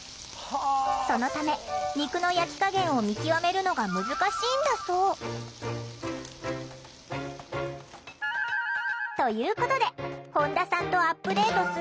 そのため肉の焼き加減を見極めるのが難しいんだそう。ということで本田さんとアップデートするのは。